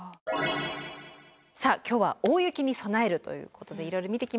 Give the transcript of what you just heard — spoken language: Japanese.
さあ今日は大雪に備えるということでいろいろ見てきました。